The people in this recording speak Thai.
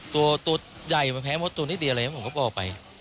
ตัวใหญ่แพ้หมดตัวนิดเดียวเลยผมก็บอกไป